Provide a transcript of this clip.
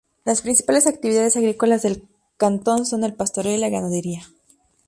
Las principales actividades agrícolas del cantón son el pastoreo y la ganadería.